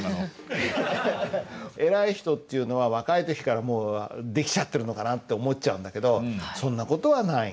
偉い人っていうのは若い時からもうできちゃってるのかなって思っちゃうんだけどそんな事はない。